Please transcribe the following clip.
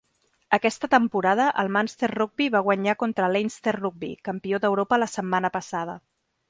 Aquesta temporada el Munster Rugby va guanyar contra Leinster Rugby, campió d'Europa la setmana passada.